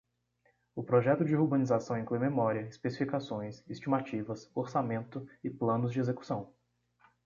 O projeto de urbanização inclui memória, especificações, estimativas, orçamento e planos de execução.